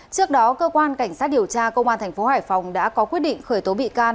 trước đó cơ quan cảnh sát điều tra công an tp hải phòng đã có quyết định khởi tố bị can